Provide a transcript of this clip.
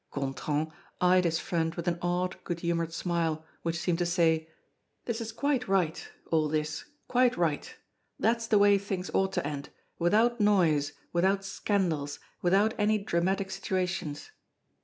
Gontran eyed his friend with an odd, good humored smile, which seemed to say: "This is quite right, all this, quite right! That's the way things ought to end, without noise, without scandals, without any dramatic situations."